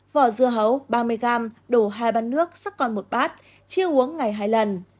vỏ dưa hấu ba mươi g đổ hai bát nước sắc còn một bát chia uống ngày hai lần